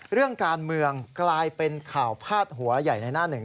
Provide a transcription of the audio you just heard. เรื่องการเมืองกลายเป็นข่าวพาดหัวใหญ่ในหน้าหนึ่ง